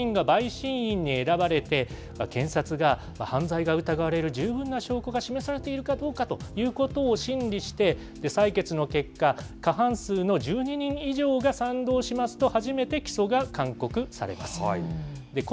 ニューヨーク州の場合、２３人の一般市民が陪審員に選ばれて、検察が犯罪が疑われる十分な証拠が示されているかどうかということを審理して、採決の結果、過半数の１２人以上が賛同しますと初めて起訴が勧告されます。